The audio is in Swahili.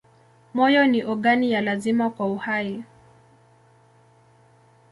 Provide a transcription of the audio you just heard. Moyo ni ogani ya lazima kwa uhai.